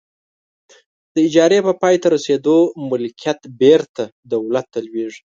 د اجارې په پای ته رسیدو ملکیت بیرته دولت ته لویږي.